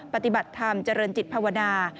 ปฏิบัติธรรมเจริญจิตภาวนา